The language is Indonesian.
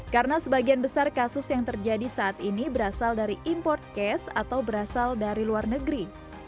karena sebagian besar kasus yang terjadi saat ini berasal dari import case atau berasal dari luar negeri